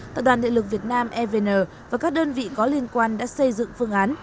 tập đoàn điện lực việt nam evn và các đơn vị có liên quan đã xây dựng phương án